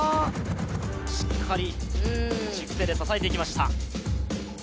しっかり軸手で支えていきました。